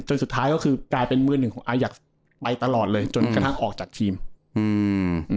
สุดท้ายก็คือกลายเป็นมือหนึ่งของอายักษ์ไปตลอดเลยจนกระทั่งออกจากทีมอืม